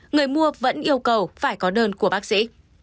người mua vẫn yêu cầu phải có đơn của bác sĩ